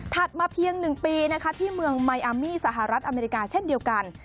มาเพียง๑ปีนะคะที่เมืองมายอามีสหรัฐอเมริกาเช่นเดียวกัน